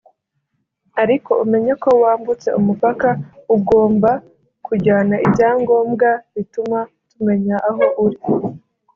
ariko umenye ko wambutse umupaka ugomba kujyana ibyangombwa bituma tumenya aho uri